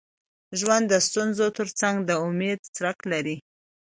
ژوند د ستونزو تر څنګ د امید څرک لري.